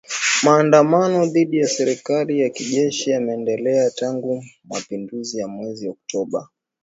Maandamano dhidi ya serikali ya kijeshi yameendelea tangu mapinduzi ya mwezi Oktoba